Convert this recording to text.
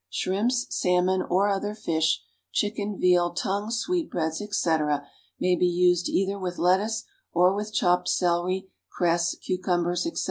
Shrimps, salmon or other fish, chicken, veal, tongue, sweetbreads, etc., may be used either with lettuce or with chopped celery, cress, cucumbers, etc.